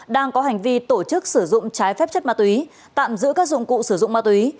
đang có hành vi tổ chức sử dụng trái phép chất ma túy tạm giữ các dụng cụ sử dụng ma túy